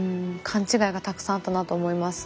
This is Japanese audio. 勘違いがたくさんあったなと思います。